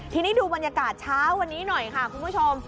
ทีนี้ดูบรรยากาศเช้าวันนี้หน่อยค่ะคุณผู้ชม